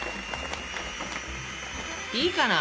いいかな？